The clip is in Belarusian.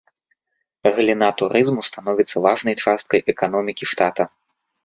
Галіна турызму становіцца важнай часткай эканомікі штата.